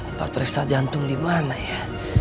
di tempat perisai jantung di mana ya